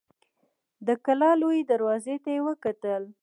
د کلا لويي دروازې ته يې وکتل.